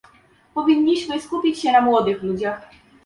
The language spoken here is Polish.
Powinniśmy skupić się na młodych ludziach